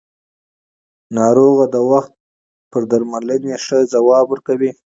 ناروغ د وخت پر درملنې ښه ځواب ورکوي